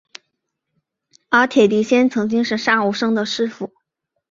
而铁笛仙曾经是杀无生的师父。